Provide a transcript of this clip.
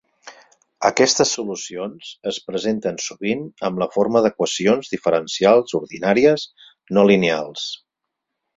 Aquestes solucions es presenten sovint amb la forma d'equacions diferencials ordinàries no lineals.